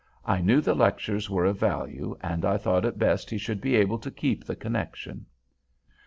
I knew the lectures were of value, and I thought it best he should be able to keep the connection.